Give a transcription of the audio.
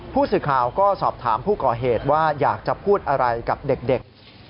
ผู้สื่อข่าวก็สอบถามผู้ก่อเหตุว่าอยากจะพูดอะไรกับเด็ก